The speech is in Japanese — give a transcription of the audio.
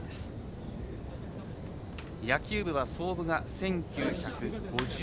野球部は、創部が１９５８年。